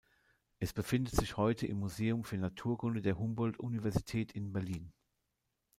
Es befindet sich heute im Museum für Naturkunde der Humboldt-Universität in Berlin.